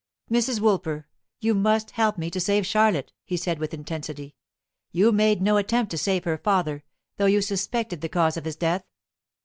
"Mrs. Woolper, you must help me to save Charlotte," he said, with intensity. "You made no attempt to save her father, though you suspected the cause of his death.